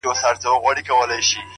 چي دغه وينه لږه وچه سي باران يې يوسي’